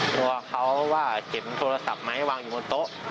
ตัวเขาว่าเข็มโทรศัพท์ไหมวางอยู่บนโต๊ะ